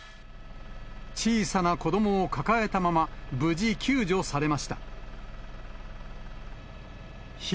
小さな子どもを抱えたまま、無事救助されました。